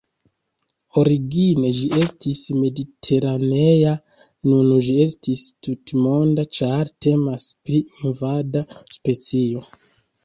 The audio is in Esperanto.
Origine ĝi estis mediteranea, nun ĝi estis tutmonda, ĉar temas pri invada specio.